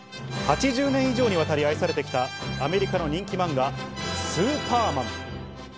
８０年以上にわたり愛されていたアメリカの人気漫画『スーパーマン』。